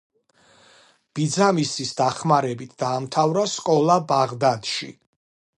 ბიძამისის დახმარებით დაამთავრა სკოლა ბაღდადში.